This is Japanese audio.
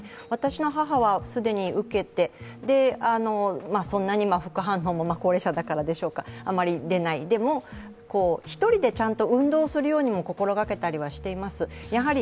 私の母は既に受けて、そんなに副反応も高齢者だからでしょうか、あまり出ない、でも、１人でちゃんと運動するようにも心がけたりはしています。